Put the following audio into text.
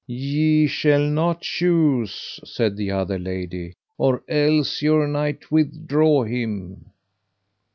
Ye shall not choose, said the other lady, or else your knight withdraw him.